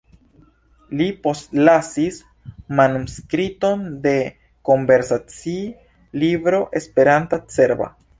Li postlasis manuskripton de konversaci-libro Esperanta-serba.